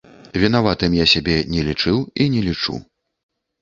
Вінаватым я сябе не лічыў і не лічу.